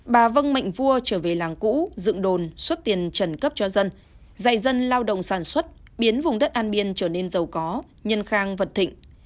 bà vân mạnh vua trở về làng cũ dựng đồn xuất tiền trần cấp cho dân dạy dân lao động sản xuất biến vùng đất an biên trở nên giàu có nhân khang vật thịnh